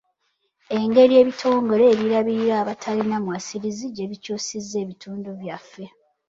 Engeri ebitongole ebirabirira abatalina mwasirizi gye bikyusizza ebitundu byaffe.